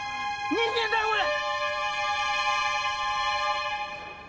人間だよこれ！